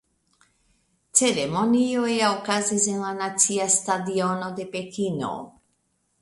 Ceremonioj okazis en la Nacia stadiono de Pekino.